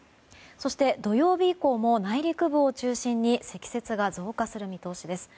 そして、土曜日以降も内陸部を中心に積雪が増加する見込みです。